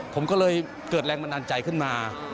ผมก็เลยเกิดแรงบันดาลใจขึ้นมา